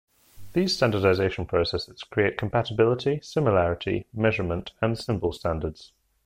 These standardization processes create compatibility, similarity, measurement and symbol standards.